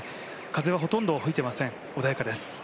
風はほとんど吹いていません、穏やかです。